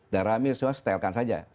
dan rame semua setelkan saja